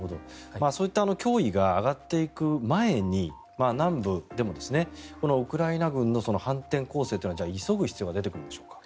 そういった脅威が上がっていく前に南部でもウクライナ軍の反転攻勢というのはじゃあ、急ぐ必要が出てくるんでしょうか？